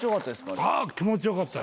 あぁ気持ち良かった！